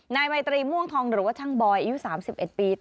นายไมตรีม่วงทองหรือว่าช่างบอยอายุ๓๑ปี